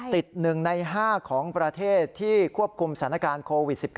ติด๑ใน๕ของประเทศที่ควบคุมสถานการณ์โควิด๑๙